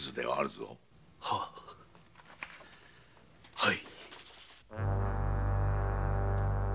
はい。